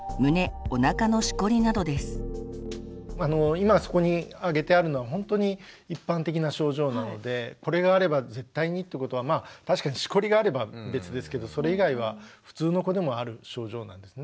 今そこにあげてあるのはほんとに一般的な症状なのでこれがあれば絶対にってことはまあ確かにしこりがあれば別ですけどそれ以外は普通の子でもある症状なんですね。